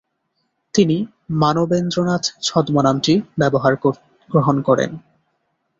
তিনি মানবেন্দ্রনাথ ছদ্মনামটি গ্রহণ করেন।